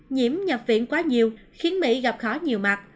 nhiễm nhập viện quá nhiều khiến mỹ gặp khó nhiều mặt